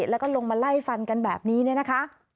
แล้วก็ลงมาไล่ฟันกันแบบนี้เนี่ยนะคะ